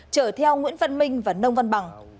chở theo nguyễn văn minh và nông văn bằng